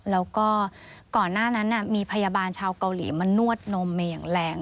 แล้วก็ก่อนหน้านั้นมีพยาบาลชาวเกาหลีมานวดนมมาอย่างแรง